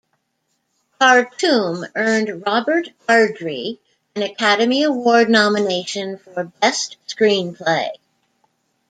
"Khartoum" earned Robert Ardrey an Academy Award nomination for Best Screenplay.